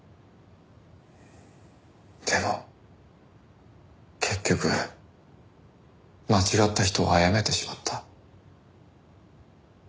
でも結局間違った人をあやめてしまった。